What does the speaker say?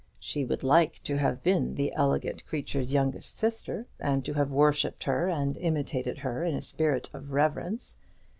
She would like to have been that elegant creature's youngest sister, and to have worshipped her and imitated her in a spirit of reverence.